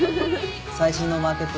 最新のマーケット